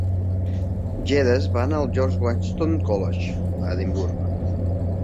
Geddes va anar al George Watson's College, a Edimburg.